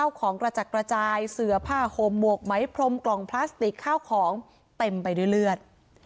ของกระจัดกระจายเสือผ้าห่มหมวกไหมพรมกล่องพลาสติกข้าวของเต็มไปด้วยเลือด